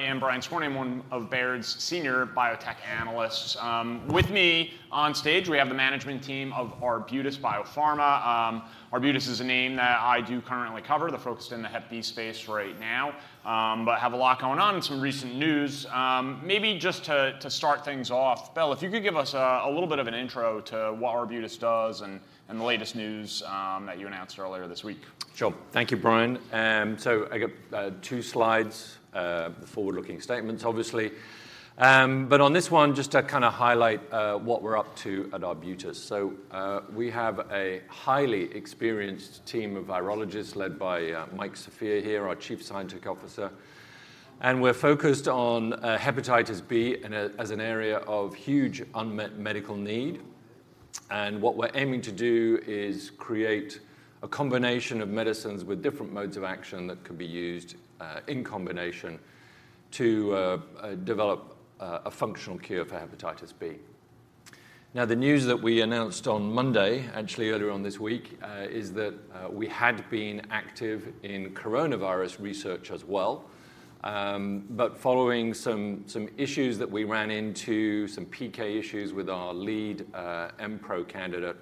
I am Brian Skorney, I'm one of Baird's senior biotech analysts. With me on stage, we have the management team of Arbutus Biopharma. Arbutus is a name that I do currently cover. They're focused in the hep B space right now, but have a lot going on in some recent news. Maybe just to start things off, Bill, if you could give us a little bit of an intro to what Arbutus does and the latest news that you announced earlier this week. Sure. Thank you, Brian. So I got two slides, the forward-looking statements, obviously. But on this one, just to kinda highlight what we're up to at Arbutus. So we have a highly experienced team of virologists, led by Mike Sofia here, our Chief Scientific Officer, and we're focused on hepatitis B as an area of huge unmet medical need. And what we're aiming to do is create a combination of medicines with different modes of action that could be used in combination to develop a functional cure for hepatitis B. Now, the news that we announced on Monday, actually earlier on this week, is that we had been active in coronavirus research as well. But following some issues that we ran into, some PK issues with our lead Mpro candidate,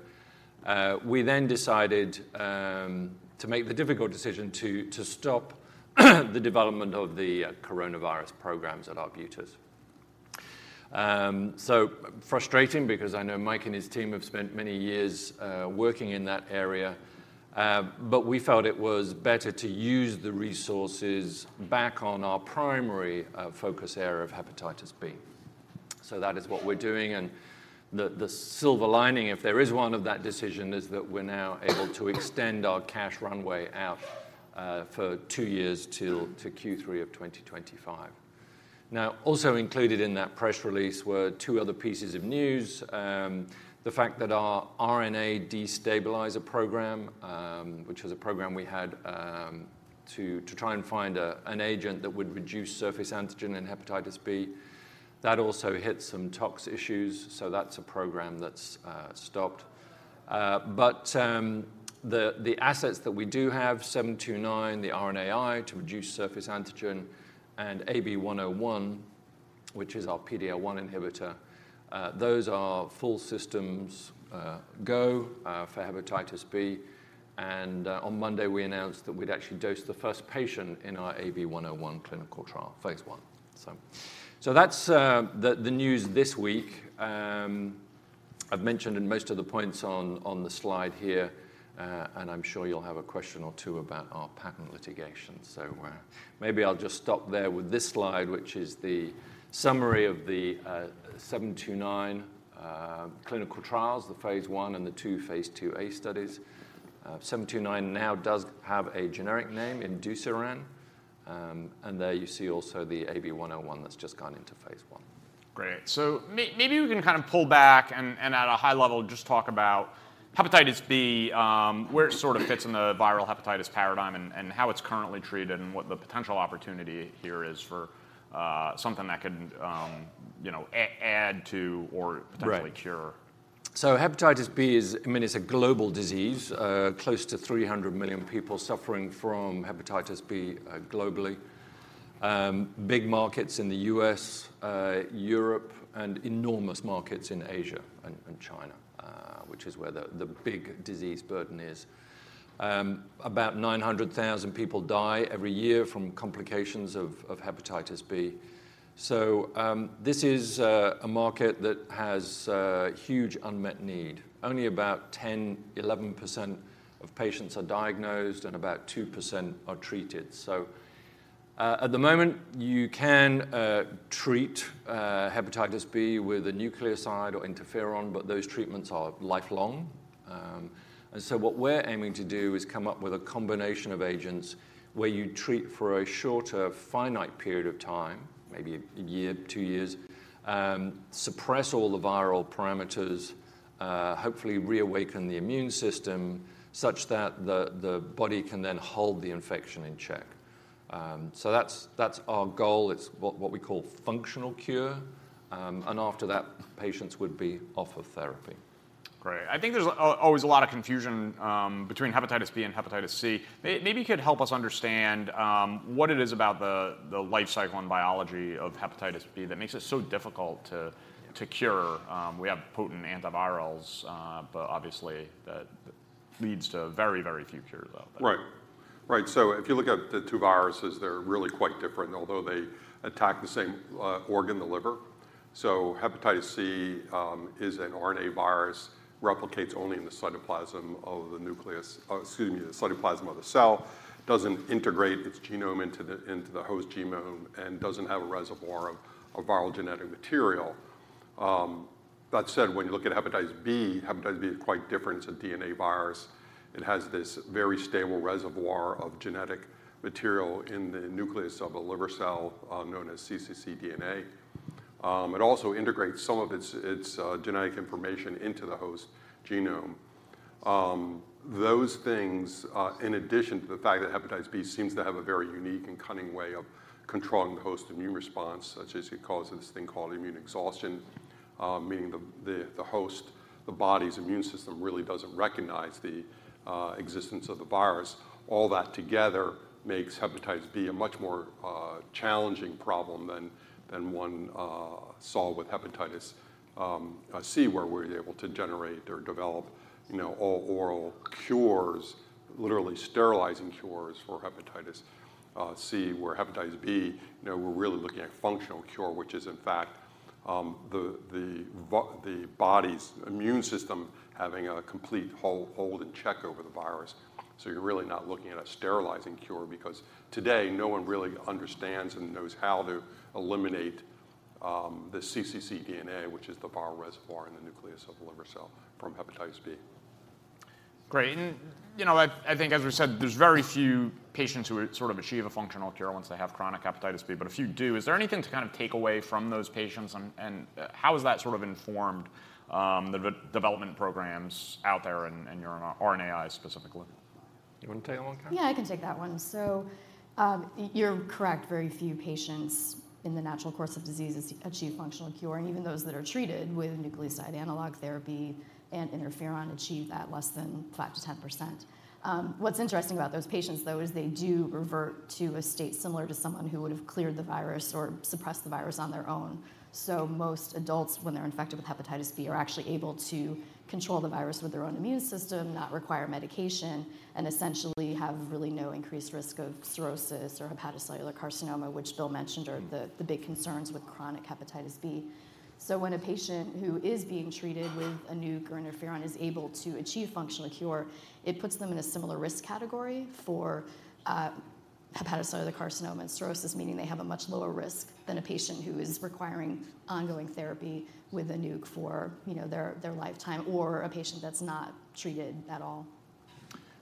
we then decided to make the difficult decision to stop the development of the coronavirus programs at Arbutus. So frustrating because I know Mike and his team have spent many years working in that area, but we felt it was better to use the resources back on our primary focus area of hepatitis B. So that is what we're doing, and the silver lining, if there is one, of that decision, is that we're now able to extend our cash runway out for two years to Q3 of 2025. Now, also included in that press release were two other pieces of news. The fact that our RNA destabilizer program, which was a program we had, to try and find an agent that would reduce surface antigen in hepatitis B, that also hit some tox issues, so that's a program that's stopped. But the assets that we do have, 729, the RNAi to reduce surface antigen, and AB-101, which is our PD-L1 inhibitor, those are full systems go for hepatitis B. On Monday, we announced that we'd actually dosed the first patient in our AB-101 clinical trial, phase I. So that's the news this week. I've mentioned in most of the points on the slide here, and I'm sure you'll have a question or two about our patent litigation. So, maybe I'll just stop there with this slide, which is the summary of the 729 clinical trials, the phase I and the two phase IIa studies. 729 now does have a generic name, imdusiran, and there you see also the AB-101 that's just gone into phase I. Great. So maybe we can kind of pull back and at a high level, just talk about hepatitis B, where it sort of fits in the viral hepatitis paradigm and how it's currently treated, and what the potential opportunity here is for something that can, you know, add to or potentially- Right... cure. Hepatitis B is, I mean, it's a global disease, close to 300 million people suffering from hepatitis B globally. Big markets in the U.S., Europe, and enormous markets in Asia and China, which is where the big disease burden is. About 900,000 people die every year from complications of hepatitis B. This is a market that has huge unmet need. Only about 10%-11% of patients are diagnosed, and about 2% are treated. At the moment, you can treat hepatitis B with a nucleoside or interferon, but those treatments are lifelong. And so what we're aiming to do is come up with a combination of agents where you treat for a shorter, finite period of time, maybe a year, two years, suppress all the viral parameters, hopefully reawaken the immune system such that the, the body can then hold the infection in check. So that's, that's our goal. It's what, what we call functional cure, and after that, patients would be off of therapy. Great. I think there's always a lot of confusion between hepatitis B and hepatitis C. Maybe you could help us understand what it is about the life cycle and biology of hepatitis B that makes it so difficult to cure? We have potent antivirals, but obviously, that leads to very, very few cures, though. Right. Right, so if you look at the two viruses, they're really quite different, although they attack the same organ, the liver. So hepatitis C is an RNA virus, replicates only in the cytoplasm of the cell. Doesn't integrate its genome into the host genome, and doesn't have a reservoir of viral genetic material. That said, when you look at hepatitis B, hepatitis B is quite different, it's a DNA virus. It has this very stable reservoir of genetic material in the nucleus of a liver cell, known as cccDNA. It also integrates some of its genetic information into the host genome. Those things, in addition to the fact that hepatitis B seems to have a very unique and cunning way of controlling the host immune response, such as it causes this thing called immune exhaustion, meaning the host, the body's immune system really doesn't recognize the existence of the virus. All that together makes hepatitis B a much more challenging problem than one saw with hepatitis C, where we're able to generate or develop, you know, all oral cures, literally sterilizing cures for hepatitis C, where hepatitis B, you know, we're really looking at functional cure, which is in fact, the body's immune system having a complete hold and check over the virus. So you're really not looking at a sterilizing cure because today, no one really understands and knows how to eliminate, the cccDNA, which is the viral reservoir in the nucleus of the liver cell from hepatitis B. Great. And, you know, I think, as we said, there's very few patients who sort of achieve a functional cure once they have chronic hepatitis B, but a few do. Is there anything to kind of take away from those patients and how has that sort of informed the development programs out there and your RNAi specifically? You want to take that one, Kathy? Yeah, I can take that one. So, you're correct, very few patients in the natural course of diseases achieve functional cure, and even those that are treated with nucleoside analog therapy and interferon achieve that less than 5%-10%. What's interesting about those patients, though, is they do revert to a state similar to someone who would have cleared the virus or suppressed the virus on their own. So most adults, when they're infected with hepatitis B, are actually able to control the virus with their own immune system, not require medication, and essentially have really no increased risk of cirrhosis or hepatocellular carcinoma, which Bill mentioned, are the the big concerns with chronic hepatitis B. So when a patient who is being treated with a nuc or interferon is able to achieve functional cure, it puts them in a similar risk category for hepatocellular carcinoma and cirrhosis, meaning they have a much lower risk than a patient who is requiring ongoing therapy with a nuc for, you know, their lifetime or a patient that's not treated at all.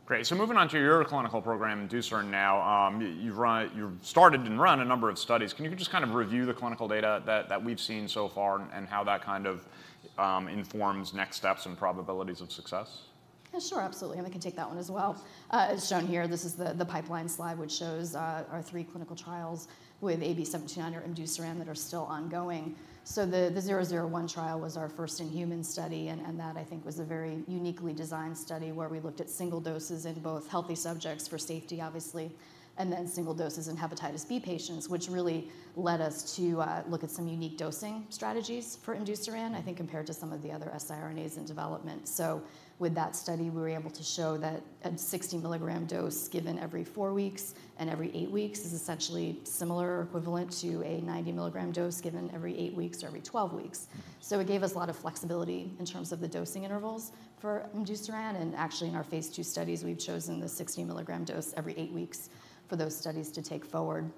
Great. So moving on to your clinical program, imdusiran now. You've started and run a number of studies. Can you just kind of review the clinical data that we've seen so far and how that kind of informs next steps and probabilities of success? Yeah, sure, absolutely, and I can take that one as well. As shown here, this is the pipeline slide, which shows our three clinical trials with AB-729 or imdusiran that are still ongoing. So the 001 trial was our first in-human study, and that I think was a very uniquely designed study, where we looked at single doses in both healthy subjects for safety, obviously, and then single doses in hepatitis B patients, which really led us to look at some unique dosing strategies for imdusiran, I think, compared to some of the other siRNAs in development. So with that study, we were able to show that a 60 mg dose given every four weeks and every eight weeks is essentially similar or equivalent to a 90 mg dose given every eight weeks or every 12 weeks. So it gave us a lot of flexibility in terms of the dosing intervals for imdusiran, and actually, in our phase II studies, we've chosen the 60 mg dose every eight weeks for those studies to take forward.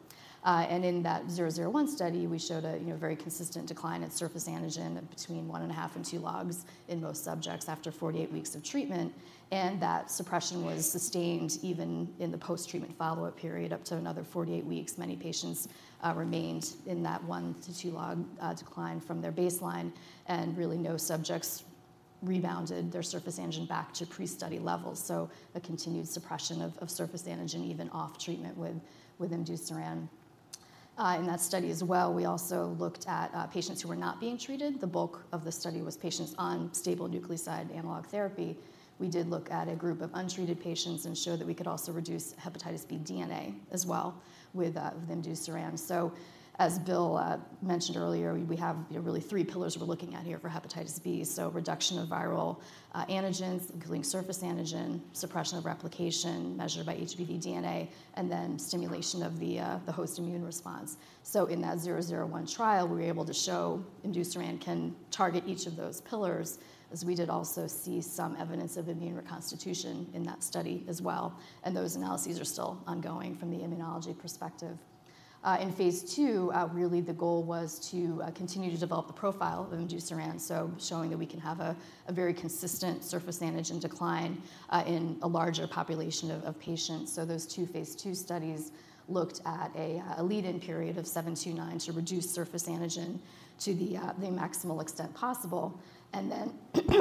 And in that 001 study, we showed a, you know, very consistent decline in surface antigen between 1.5 and 2 logs in most subjects after 48 weeks of treatment, and that suppression was sustained even in the post-treatment follow-up period, up to another 48 weeks. Many patients remained in that 1-2 log decline from their baseline, and really, no subjects rebounded their surface antigen back to pre-study levels, so a continued suppression of surface antigen even off treatment with imdusiran. In that study as well, we also looked at patients who were not being treated. The bulk of the study was patients on stable nucleoside analog therapy. We did look at a group of untreated patients and showed that we could also reduce hepatitis B DNA as well with imdusiran. So as Bill mentioned earlier, we have, you know, really three pillars we're looking at here for hepatitis B. So reduction of viral antigens, including surface antigen, suppression of replication, measured by HBV DNA, and then stimulation of the host immune response. So in that 001 trial, we were able to show imdusiran can target each of those pillars, as we did also see some evidence of immune reconstitution in that study as well, and those analyses are still ongoing from the immunology perspective. In phase II, really the goal was to continue to develop the profile of imdusiran, so showing that we can have a very consistent surface antigen decline in a larger population of patients. So those two phase II studies looked at a lead-in period of 729 to reduce surface antigen to the maximal extent possible, and then,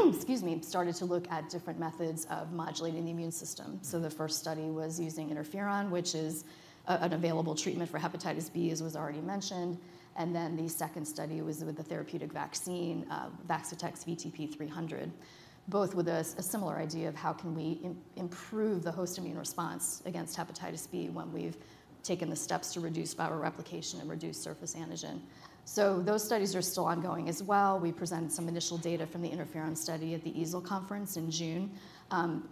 excuse me, started to look at different methods of modulating the immune system. So the first study was using interferon, which is an available treatment for hepatitis B, as was already mentioned. And then the second study was with the therapeutic vaccine, Vaccitech VTP-300, both with a similar idea of how can we improve the host immune response against hepatitis B when we've taken the steps to reduce viral replication and reduce surface antigen. So those studies are still ongoing as well. We presented some initial data from the interferon study at the EASL conference in June.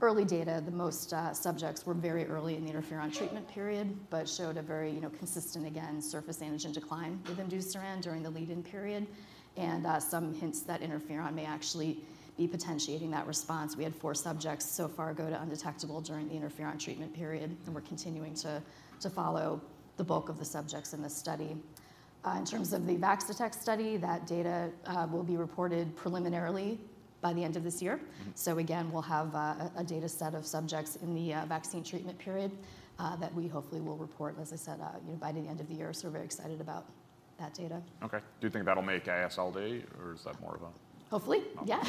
Early data, the most subjects were very early in the interferon treatment period, but showed a very, you know, consistent, again, surface antigen decline with imdusiran during the lead-in period and some hints that interferon may actually be potentiating that response. We had four subjects so far go to undetectable during the interferon treatment period, and we're continuing to follow the bulk of the subjects in this study. In terms of the Vaccitech study, that data will be reported preliminarily by the end of this year. So again, we'll have a data set of subjects in the vaccine treatment period, that we hopefully will report, as I said, you know, by the end of the year. So we're very excited about that data. Okay. Do you think that'll make AASLD, or is that more of a- Hopefully. Yeah.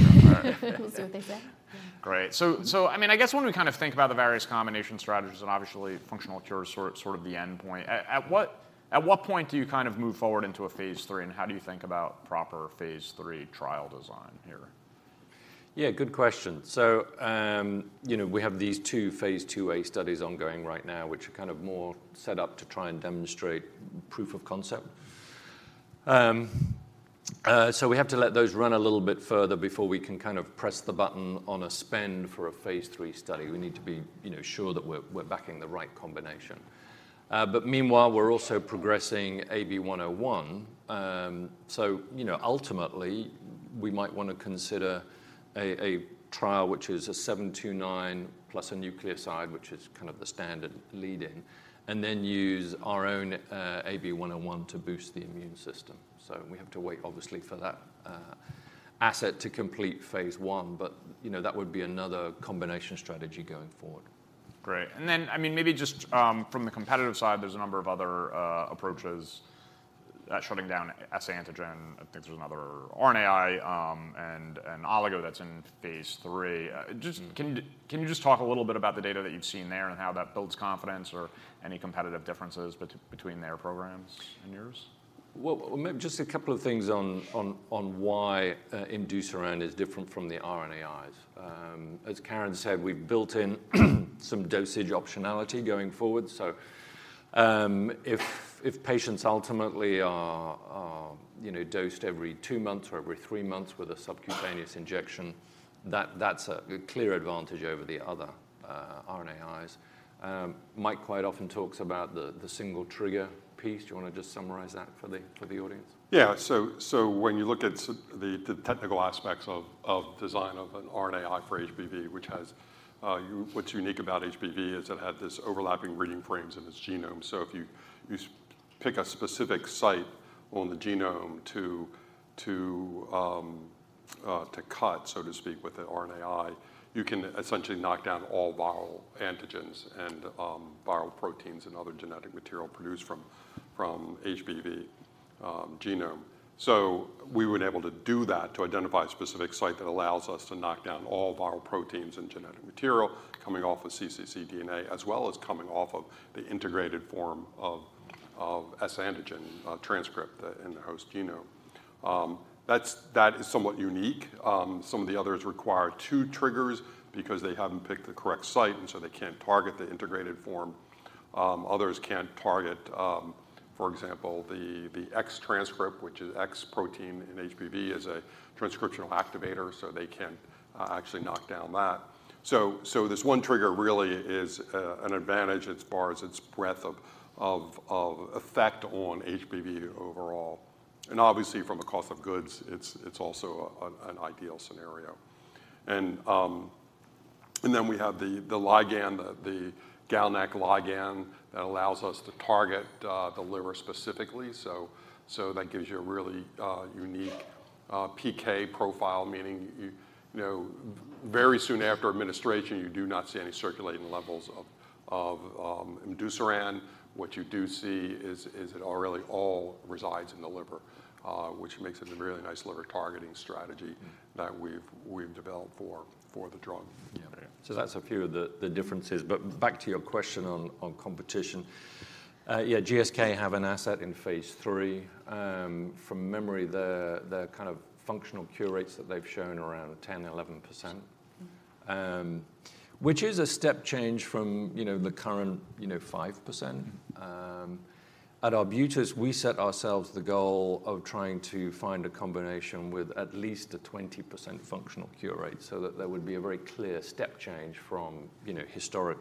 We'll see what they say. Great. So, I mean, I guess when we kind of think about the various combination strategies and obviously, functional cure is sort of the endpoint, at what point do you kind of move forward into a phase III, and how do you think about proper phase III trial design here? Yeah, good question. So, you know, we have these two phase IIa studies ongoing right now, which are kind of more set up to try and demonstrate proof of concept. So we have to let those run a little bit further before we can kind of press the button on a spend for a phase III study. We need to be, you know, sure that we're backing the right combination. But meanwhile, we're also progressing AB-101. So, you know, ultimately, we might wanna consider a trial, which is AB-729 plus a nucleoside, which is kind of the standard leading, and then use our own AB-101 to boost the immune system. So we have to wait, obviously, for that asset to complete phase I, but, you know, that would be another combination strategy going forward. Great. And then, I mean, maybe just, from the competitive side, there's a number of other approaches. Shutting down S antigen, I think there's another RNAi, and oligo that's in phase III. Just Can you just talk a little bit about the data that you've seen there and how that builds confidence or any competitive differences between their programs and yours? Well, just a couple of things on why imdusiran is different from the RNAis. As Karen said, we've built in some dosage optionality going forward. If patients ultimately are, you know, dosed every two months or every three months with a subcutaneous injection, that's a clear advantage over the other RNAis. Mike quite often talks about the single trigger piece. Do you wanna just summarize that for the audience? Yeah. So, when you look at the technical aspects of design of an RNAi for HBV, what's unique about HBV is it had this overlapping reading frames in its genome. So if you pick a specific site on the genome to cut, so to speak, with the RNAi, you can essentially knock down all viral antigens and viral proteins and other genetic material produced from HBV genome. So we were then able to do that, to identify a specific site that allows us to knock down all viral proteins and genetic material coming off of cccDNA, as well as coming off of the integrated form of S antigen transcript in the host genome. That's somewhat unique. Some of the others require two triggers because they haven't picked the correct site, and so they can't target the integrated form. Others can't target, for example, the X transcript, which is X protein in HBV, is a transcriptional activator, so they can't actually knock down that. So this one trigger really is an advantage as far as its breadth of effect on HBV overall. And obviously, from a cost of goods, it's also an ideal scenario. And then we have the ligand, the GalNAc ligand that allows us to target the liver specifically. So that gives you a really unique PK profile, meaning you know, very soon after administration, you do not see any circulating levels of imdusiran. What you do see is it all really all resides in the liver, which makes it a really nice liver-targeting strategy that we've developed for the drug. Yeah. Yeah. So that's a few of the differences. But back to your question on competition. Yeah, GSK have an asset in phase III. From memory, the kind of functional cure rates that they've shown around 10%-11% which is a step change from, you know, the current, you know, 5%. At Arbutus, we set ourselves the goal of trying to find a combination with at least a 20% functional cure rate, so that there would be a very clear step change from, you know, historic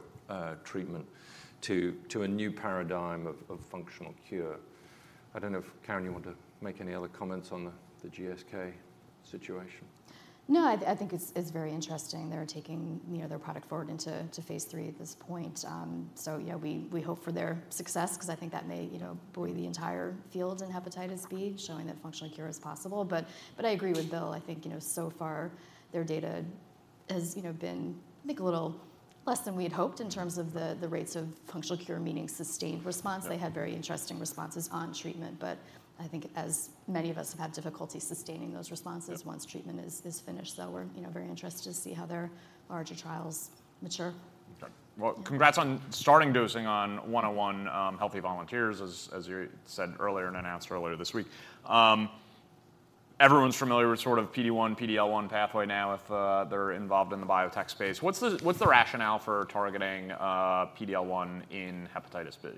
treatment to a new paradigm of functional cure. I don't know if, Karen, you want to make any other comments on the GSK situation. No, I think it's very interesting. They're taking, you know, their product forward into phase III at this point. So yeah, we hope for their success because I think that may, you know, buoy the entire field in hepatitis B, showing that functional cure is possible. But I agree with Bill. I think, you know, so far, their data has, you know, been, I think, a little less than we had hoped in terms of the rates of functional cure, meaning sustained response. Yeah. They had very interesting responses on treatment, but I think as many of us have had difficulty sustaining those responses- Yeah once treatment is finished. So we're, you know, very interested to see how their larger trials mature. Okay. Well, congrats on starting dosing on 101, healthy volunteers, as you said earlier and announced earlier this week. Everyone's familiar with sort of PD-1, PD-L1 pathway now, if they're involved in the biotech space. What's the rationale for targeting PD-L1 in hepatitis B?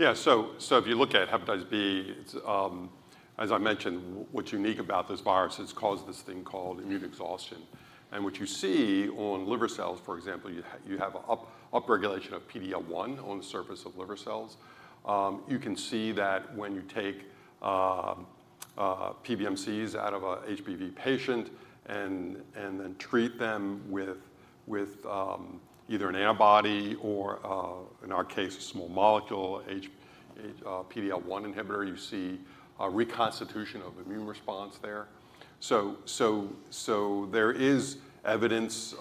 Yeah. So if you look at hepatitis B, it's, As I mentioned, what's unique about this virus, it's caused this thing called immune exhaustion. And what you see on liver cells, for example, you have an upregulation of PD-L1 on the surface of liver cells. You can see that when you take PBMCs out of an HBV patient and then treat them with either an antibody or, in our case, a small molecule PD-L1 inhibitor, you see a reconstitution of immune response there. So there is evidence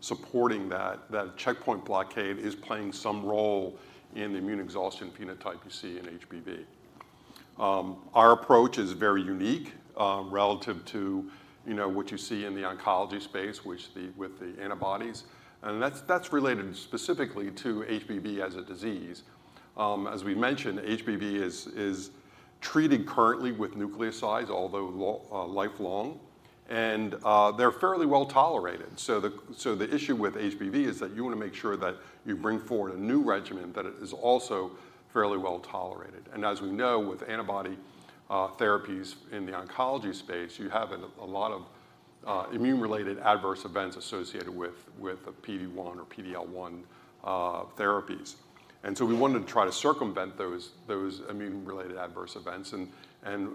supporting that checkpoint blockade is playing some role in the immune exhaustion phenotype you see in HBV. Our approach is very unique, relative to, you know, what you see in the oncology space, which, with the antibodies, and that's, that's related specifically to HBV as a disease. As we mentioned, HBV is, is treated currently with nucleosides, although lifelong, and they're fairly well-tolerated. So the issue with HBV is that you want to make sure that you bring forward a new regimen that is also fairly well-tolerated. And as we know, with antibody therapies in the oncology space, you have a lot of immune-related adverse events associated with a PD-1 or PD-L1 therapies. And so we wanted to try to circumvent those immune-related adverse events. And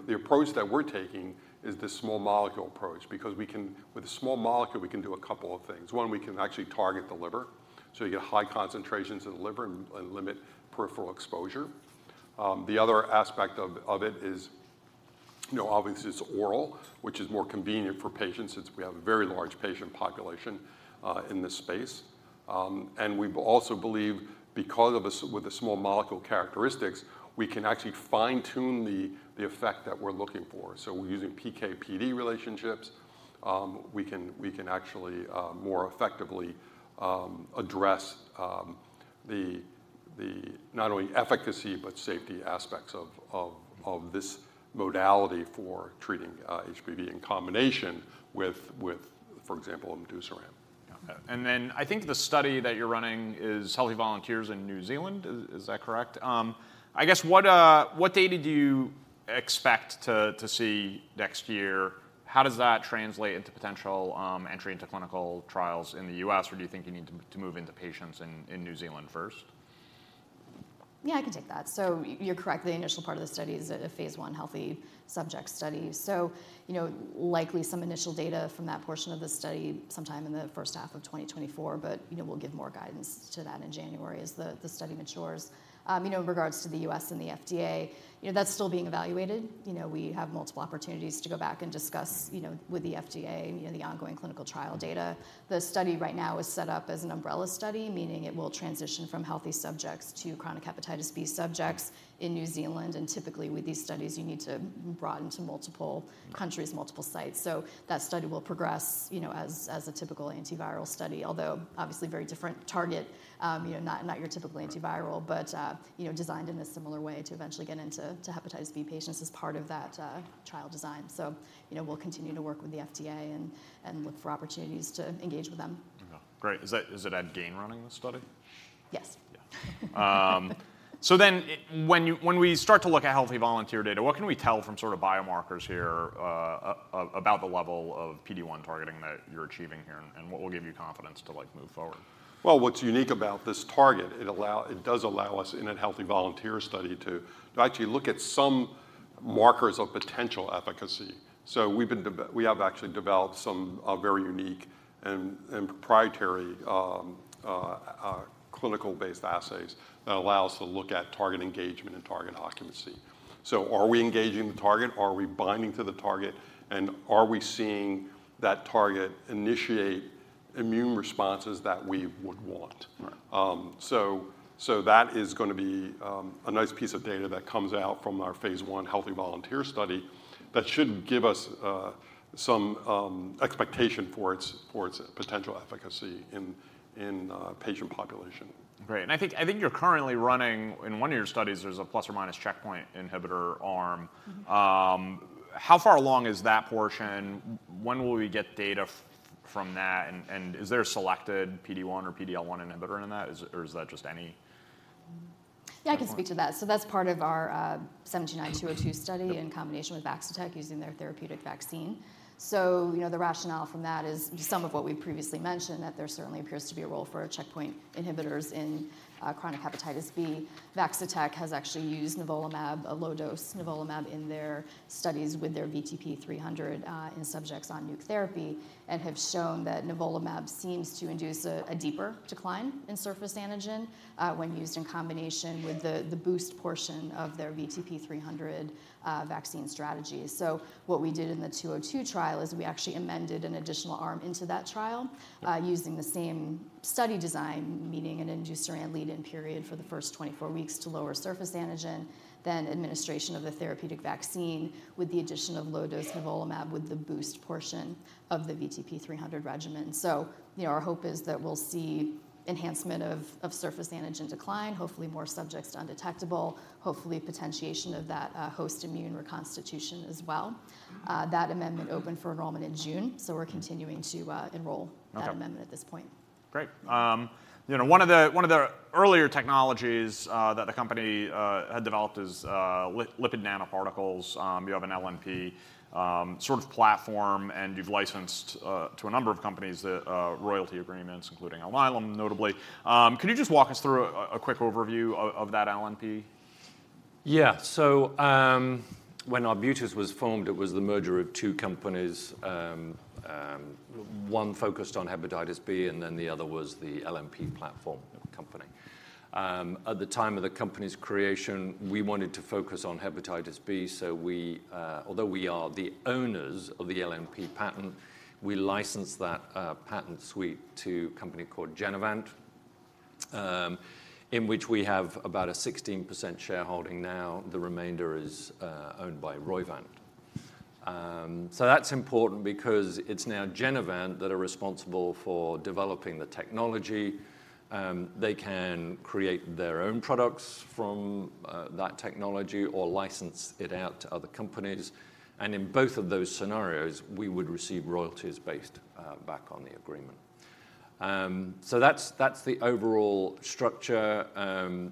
the approach that we're taking is this small molecule approach, because we can with a small molecule, we can do a couple of things. 1. We can actually target the liver, so you get high concentrations in the liver and limit peripheral exposure. The other aspect of it is, you know, obviously, it's oral, which is more convenient for patients, since we have a very large patient population in this space. And we also believe because of the small molecule characteristics, we can actually fine-tune the effect that we're looking for. So we're using PK/PD relationships. We can actually more effectively address the not only efficacy but safety aspects of this modality for treating HBV in combination with, for example, entecavir. Okay. And then I think the study that you're running is healthy volunteers in New Zealand. Is that correct? I guess, what data do you expect to see next year? How does that translate into potential entry into clinical trials in the U.S., or do you think you need to move into patients in New Zealand first? Yeah, I can take that. So you're correct, the initial part of the study is a phase I healthy subject study. So, you know, likely some initial data from that portion of the study sometime in the first half of 2024, but, you know, we'll give more guidance to that in January as the study matures. You know, in regards to the U.S. and the FDA, you know, that's still being evaluated. You know, we have multiple opportunities to go back and discuss, you know, with the FDA, you know, the ongoing clinical trial data. The study right now is set up as an umbrella study, meaning it will transition from healthy subjects to chronic hepatitis B subjects in New Zealand, and typically with these studies, you need to broaden to multiple countries, multiple sites. So that study will progress, you know, as a typical antiviral study, although obviously very different target, you know, not your typical antiviral- Right... but, you know, designed in a similar way to eventually get into hepatitis B patients as part of that trial design. So, you know, we'll continue to work with the FDA and look for opportunities to engage with them. Yeah. Great. Is that, is it Ed Gane running this study? Yes. Yeah. So then when you, when we start to look at healthy volunteer data, what can we tell from sort of biomarkers here about the level of PD-1 targeting that you're achieving here, and what will give you confidence to, like, move forward? Well, what's unique about this target? It does allow us in a healthy volunteer study to actually look at some markers of potential efficacy. So we have actually developed some very unique and proprietary clinical-based assays that allow us to look at target engagement and target occupancy. So are we engaging the target? Are we binding to the target, and are we seeing that target initiate immune responses that we would want? Right. So, that is gonna be a nice piece of data that comes out from our Phase I healthy volunteer study that should give us some expectation for its potential efficacy in patient population. Great. And I think you're currently running, in one of your studies, there's a ± checkpoint inhibitor arm. How far along is that portion? When will we get data from that, and is there a selected PD-1 or PD-L1 inhibitor in that, or is that just any? Yeah, I can speak to that. So that's part of our, 729-202 study- Yep. in combination with Vaccitech using their therapeutic vaccine. So, you know, the rationale from that is some of what we previously mentioned, that there certainly appears to be a role for checkpoint inhibitors in, chronic hepatitis B. Vaccitech has actually used nivolumab, a low-dose nivolumab, in their studies with their VTP-300, in subjects on nuke therapy and have shown that nivolumab seems to induce a deeper decline in surface antigen, when used in combination with the boost portion of their VTP-300, vaccine strategy. So what we did in the 202 trial is we actually amended an additional arm into that trial- Yeah... using the same study design, meaning an imdusiran and lead-in period for the first 24 weeks to lower surface antigen, then administration of the therapeutic vaccine with the addition of low-dose nivolumab with the boost portion of the VTP-300 regimen. So, you know, our hope is that we'll see enhancement of, of surface antigen decline, hopefully more subjects to undetectable, hopefully potentiation of that, host immune reconstitution as well. Mm-hmm. That amendment opened for enrollment in June, so we're continuing to enroll- Okay... that amendment at this point. Great. You know, one of the earlier technologies that the company had developed is lipid nanoparticles. You have an LNP sort of platform, and you've licensed to a number of companies the royalty agreements, including Alnylam, notably. Can you just walk us through a quick overview of that LNP? Yeah. So, when Arbutus was formed, it was the merger of two companies. One focused on hepatitis B, and then the other was the LNP platform company. At the time of the company's creation, we wanted to focus on hepatitis B, so we, although we are the owners of the LNP patent, we licensed that patent suite to a company called Genevant, in which we have about a 16% shareholding now. The remainder is owned by Roivant. So that's important because it's now Genevant that are responsible for developing the technology. They can create their own products from that technology or license it out to other companies, and in both of those scenarios, we would receive royalties based back on the agreement. So that's, that's the overall structure.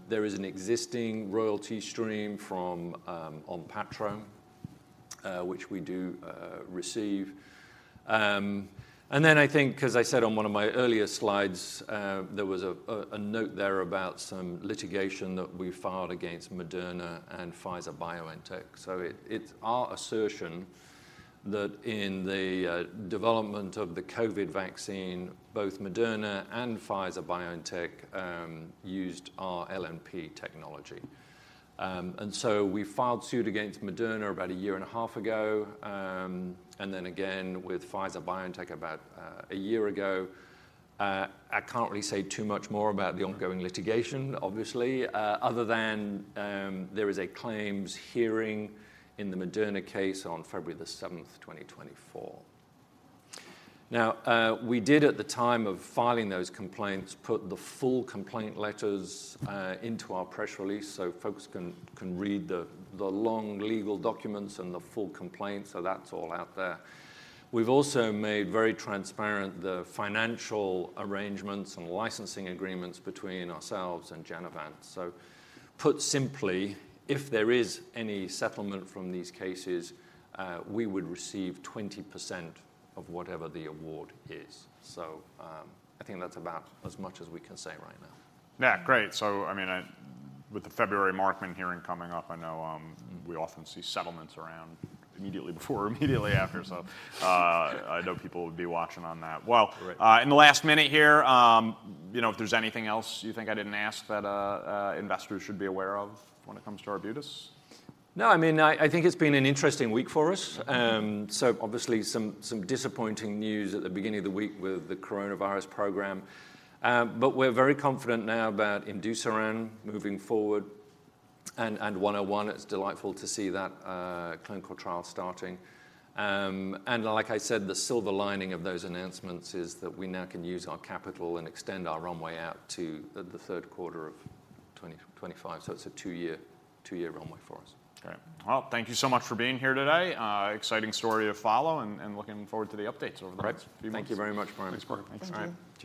There is an existing royalty stream from ONPATTRO, which we do receive. And then I think, as I said on one of my earlier slides, there was a note there about some litigation that we filed against Moderna and Pfizer-BioNTech. So it's our assertion that in the development of the COVID vaccine, both Moderna and Pfizer-BioNTech used our LNP technology. And so we filed suit against Moderna about a year and a half ago, and then again with Pfizer-BioNTech about a year ago. I can't really say too much more about the ongoing litigation, obviously, other than there is a claims hearing in the Moderna case on February the seventh, twenty twenty-four. Now, we did, at the time of filing those complaints, put the full complaint letters into our press release so folks can read the long legal documents and the full complaint. So that's all out there. We've also made very transparent the financial arrangements and licensing agreements between ourselves and Genevant. So put simply, if there is any settlement from these cases, we would receive 20% of whatever the award is. So, I think that's about as much as we can say right now. Yeah, great. So, I mean, with the February Markman hearing coming up, I know, we often see settlements around immediately before or immediately after so, I know people will be watching on that. Well- Great... in the last minute here, you know, if there's anything else you think I didn't ask that, investors should be aware of when it comes to Arbutus? No, I mean, I think it's been an interesting week for us. So obviously some disappointing news at the beginning of the week with the coronavirus program. But we're very confident now about imdusiran moving forward, and AB-101, it's delightful to see that clinical trial starting. And like I said, the silver lining of those announcements is that we now can use our capital and extend our runway out to the third quarter of 2025. So it's a two-year, two-year runway for us. Great. Well, thank you so much for being here today. Exciting story to follow, and looking forward to the updates over the months. Great. Thank you. Thank you very much. Thanks. Thank you.